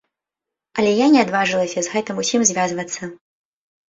Але я не адважылася з гэтым усім звязвацца.